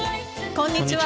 こんにちは。